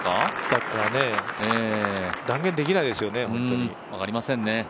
断言できないですよね